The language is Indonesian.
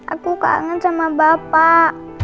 aku kangen sama bapak